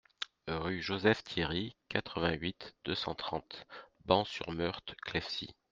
Rue Joseph Thiéry, quatre-vingt-huit, deux cent trente Ban-sur-Meurthe-Clefcy